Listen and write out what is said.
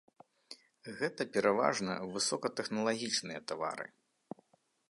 Гэта пераважна высокатэхналагічныя тавары.